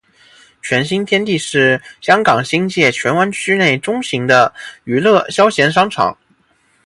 荃新天地是香港新界荃湾区内中型的娱乐消闲商场。